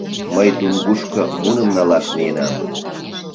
— Мый Дунгушко муным налаш миенам.